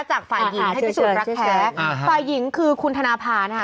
จากฝ่ายหญิงที่สูญรักแท้ฝ่ายหญิงคือคุณธนาพาร์นะฮะ